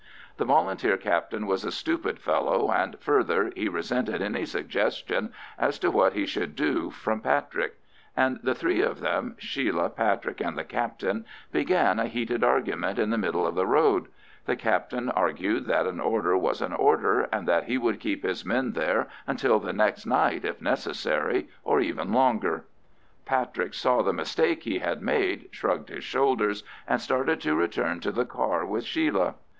The Volunteer captain was a stupid fellow, and further, he resented any suggestion as to what he should do from Patrick; and the three of them—Sheila, Patrick, and the captain—began a heated argument in the middle of the road: the captain argued that an order was an order, and that he would keep his men there until the next night if necessary, or even longer. Patrick saw the mistake he had made, shrugged his shoulders, and started to return to the car with Sheila.